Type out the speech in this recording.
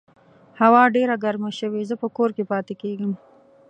هوا ډېره ګرمه شوې، زه په کور کې پاتې کیږم